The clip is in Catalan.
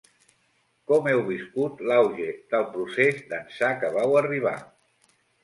Com heu viscut l’auge del procés d’ençà que vau arribar?